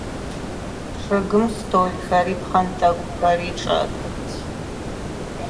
Чъыгым столхэри пхъэнтӏэкӏухэри чӏэтых.